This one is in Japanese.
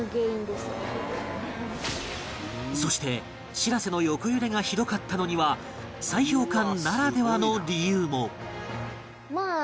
そしてしらせの横揺れがひどかったのには砕氷艦ならではの理由も